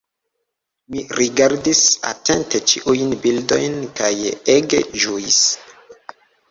Mi rigardis atente ĉiujn bildojn kaj ege ĝuis.